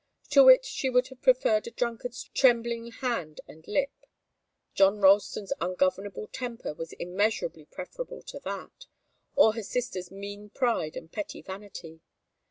To it she would have preferred a drunkard's trembling hand and lip. John Ralston's ungovernable temper was immeasurably preferable to that, or her sister's mean pride and petty vanity.